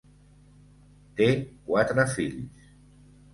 Té quatre fills.